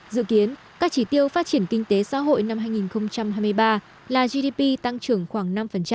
dự kiến các chỉ tiêu phát triển kinh tế xã hội năm hai nghìn hai mươi ba là gdp tăng trưởng khoảng năm